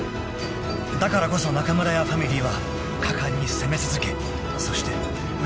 ［だからこそ中村屋ファミリーは果敢に攻め続けそして打ち勝ちました］